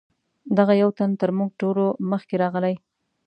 دغه یو تن تر موږ ټولو مخکې راغلی.